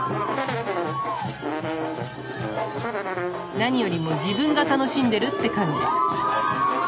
何よりも自分が楽しんでるって感じ！